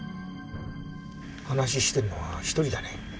話してるのは１人だね。